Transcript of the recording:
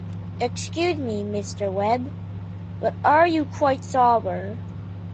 Excuse me, Mr. Webb, but are you quite sober?